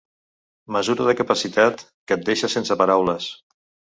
Mesura de capacitat que et deixa sense paraules.